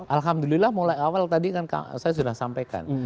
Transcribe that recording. alhamdulillah mulai awal tadi kan saya sudah sampaikan